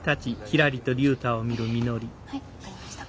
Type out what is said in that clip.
はい分かりました。